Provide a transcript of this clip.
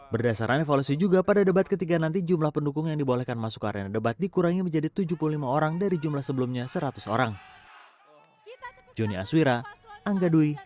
berdasarkan evaluasi juga pada debat ketiga nanti jumlah pendukung yang dibolehkan masuk ke arena debat dikurangi menjadi tujuh puluh lima orang dari jumlah sebelumnya seratus orang